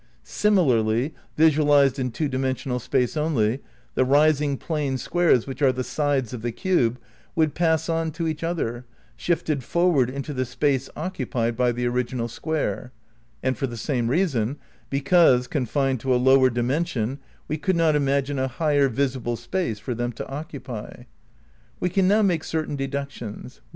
Similarly, visualized in two dimensional space only, the rising plane squares which are the sides of the cube would pass on to each other, shifted forward into the space occupied by the original square; and for the same reason, because, confined to a lower dimension, we could not imagine a higher visible space for them to occupy. We can now make certain deductions: 1.